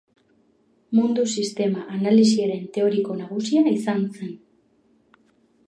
Mundu-sistema analisiaren teoriko nagusia izan zen.